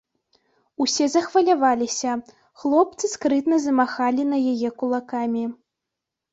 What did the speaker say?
Усе захваляваліся, хлопцы скрытна замахалі на яе кулакамі.